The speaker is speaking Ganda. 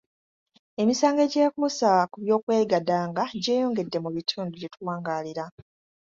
Emisango egyekuusa ku by'okwegadanga gyeyongedde mu bitundu gye tuwangaalira.